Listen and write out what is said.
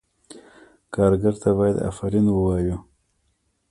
کارګر ته باید آفرین ووایو.